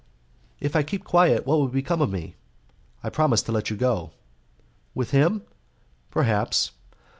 "If I keep quiet what will become of me?" "I promise to let you go." "With him?" "Perhaps."